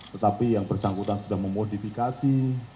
tetapi yang bersangkutan sudah memodifikasi